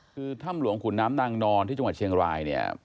คือถ้ำหลวงขุนน้ำนางนอนที่จังหวัดเชียงรายเนี่ย